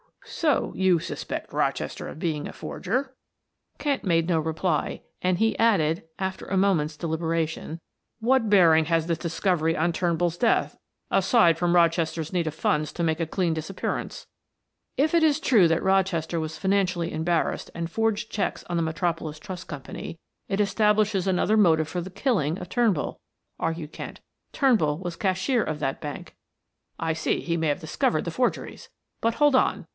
"So you suspect Rochester of being a forger?" Kent made no reply, and he added; after a moment's deliberation, "What bearing has this discovery on Turnbull's death, aside from Rochester's need of funds to make a clean disappearance?" "If it is true that Rochester was financially embarrassed and forged checks on the Metropolis Trust Company, it establishes another motive for the killing of Turnbull," argued Kent. "Turnbull was cashier of that bank." "I see; he may have discovered the forgeries but hold on."